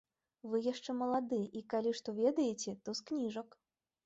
Вы яшчэ малады, і калі што ведаеце, то з кніжак.